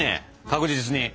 確実に。